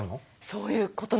そういうことなんです。